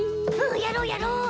やろうやろう。